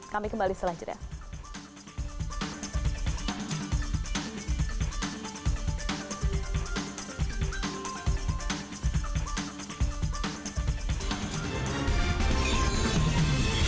kami kembali selanjutnya